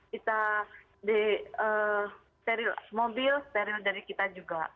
kita disteril mobil steril dari kita juga